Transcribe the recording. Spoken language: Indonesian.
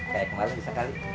kayak kemarin bisa kali